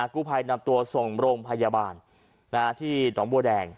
กู้ภัยนำตัวส่งโรงพยาบาลที่หนองบัวแดง